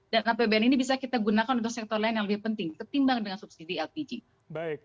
dan apbn ini bisa kita gunakan untuk sektor lain yang lebih penting ketimbang dengan subsidi lpg